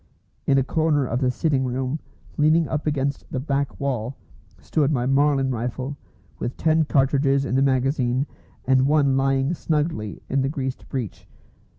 In a corner of the sitting room, leaning up against the back wall, stood my Marlin rifle, with ten cartridges in the magazine and one lying snugly in the greased breech.